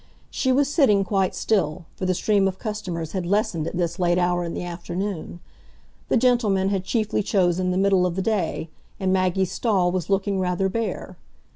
She was sitting quite still, for the stream of customers had lessened at this late hour in the afternoon; the gentlemen had chiefly chosen the middle of the day, and Maggie's stall was looking rather bare.